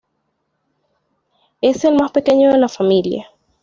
Es el más pequeño de la familia.